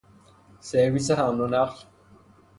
سرویس حمل ونقل